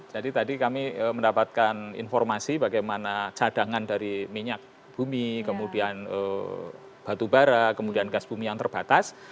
jadi tadi kami mendapatkan informasi bagaimana cadangan dari minyak bumi kemudian batu bara kemudian gas bumi yang terbatas